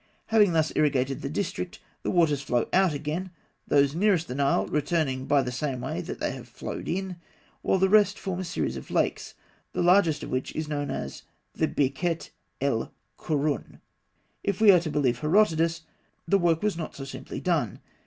Having thus irrigated the district, the waters flow out again; those nearest the Nile returning by the same way that they flowed in, while the rest form a series of lakes, the largest of which is known as the Birket el Kûrûn. If we are to believe Herodotus, the work was not so simply done.